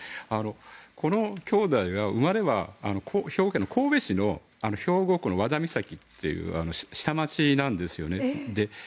この兄妹が生まれは兵庫県神戸市の兵庫区の和田岬という下町なんですよね。